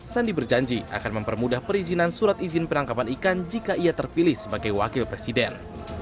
sandi berjanji akan mempermudah perizinan surat izin penangkapan ikan jika ia terpilih sebagai wakil presiden